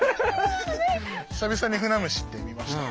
久々にフナムシって見ましたね。